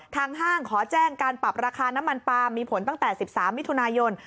ห้างขอแจ้งการปรับราคาน้ำมันปลามมีผลตั้งแต่๑๓มิถุนายน